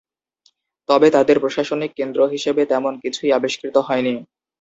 তবে তাদের প্রশাসনিক কেন্দ্র হিসেবে তেমন কিছুই আবিস্কৃত হয়নি।